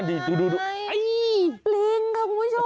เอ๊ยยยยปลิ๊งค่ะคุณผู้ชม